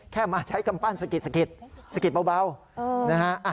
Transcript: แค่มาใช้คำปั้นสะกิดสะกิดเบา